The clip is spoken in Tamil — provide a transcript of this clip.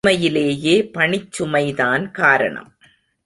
உண்மையிலேயே பணிச்சுமைதான் காரணம்!